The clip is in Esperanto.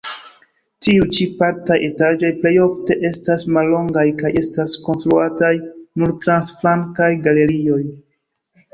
Tiuj ĉi partaj etaĝoj plejofte estas mallongaj kaj estas konstruataj nur trans flankaj galerioj.